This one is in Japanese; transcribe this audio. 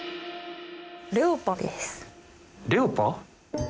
レオパ？